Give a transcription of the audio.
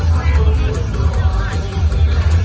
มันเป็นเมื่อไหร่แล้ว